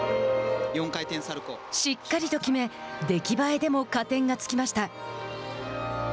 しっかりと決め、出来栄えでも加点が付きました。